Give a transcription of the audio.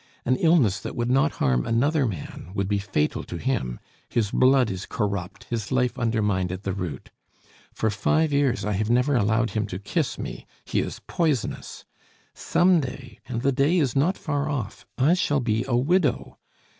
An illness that would not harm another man would be fatal to him; his blood is corrupt, his life undermined at the root. For five years I have never allowed him to kiss me he is poisonous! Some day, and the day is not far off, I shall be a widow.